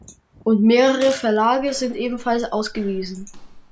Und mehrere Verlage sind ebenfalls ausgewiesen.